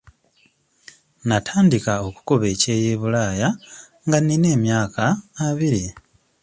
Natandika okukuba ekyeyo e bulaaya nga nina emyaka abiri.